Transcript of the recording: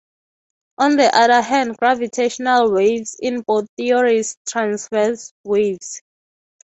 On the other hand, gravitational waves in both theories are "transverse" waves.